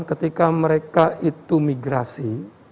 ketika mereka itu migrasi